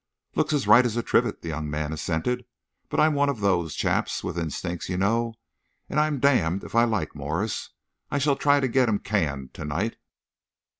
"Looks as right as a trivet," the young man assented, "but I'm one of those chaps with instincts, you know, and I'm damned if I like Morse. I shall try and get him canned to night."